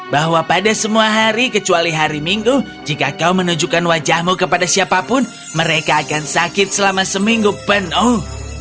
bahwa pada semua hari kecuali hari minggu jika kau menunjukkan wajahmu kepada siapapun mereka akan sakit selama seminggu penuh